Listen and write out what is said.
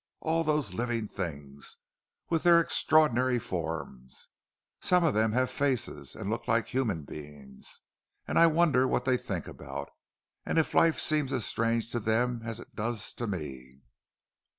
All those living things; with their extraordinary forms—some of them have faces, and look like human beings! And I wonder what they think about, and if life seems as strange to them as it does to me."